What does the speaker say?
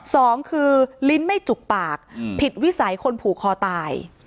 สองคือลิ้นไม่จุกปากผิดวิสัยคนผูกคอตาย